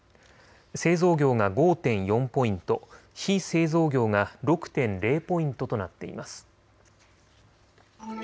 製造業が５．４ポイント、非製造業が６．０ポイントとなっています。